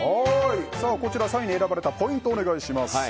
こちら３位に選ばれたポイントお願いします。